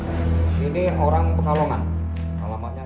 ini orang pengalongan